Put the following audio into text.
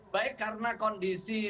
baik karena kondisi